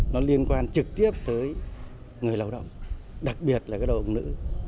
nó liên quan trực tiếp tới người lao động đặc biệt là cái lao động nữ